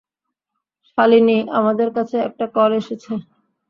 শালিনী, আমাদের কাছে একটা কল এসেছে।